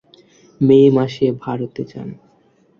মে মাসে ভারতে যান।